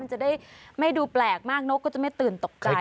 จะได้ไม่ดูแปลกมากนกก็จะไม่ตื่นตกใจ